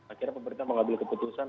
akhirnya pemerintah mengambil keputusan